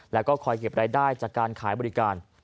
แล้วก็คอยเก็บรายได้จากการขายบริการ